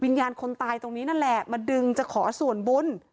วิญญาณคนตายตรงนี้นั่นแหละมาดึงจะขอส่วนบุญ